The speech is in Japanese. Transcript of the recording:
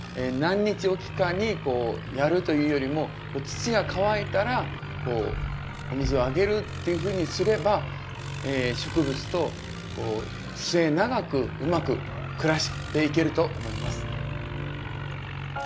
何日おきかにやるというよりも土が乾いたらお水をあげるっていうふうにすれば植物と末長くうまく暮らしていけると思います。